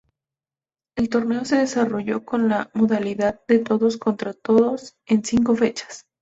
El torneo se desarrolló con la modalidad de todos contra todos en cinco fechas.